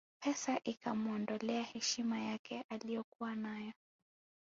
Pesa ikamuondolea heshima yake aliyokuwa nayo